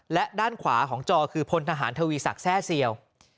และด้านขวาของจอคือพลทหารทวีศักดิ์แทร่เซียว